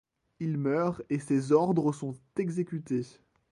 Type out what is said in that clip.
Il meurt et ses ordres sont exécutés.